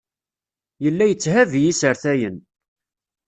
Yella yetthabi isertayen.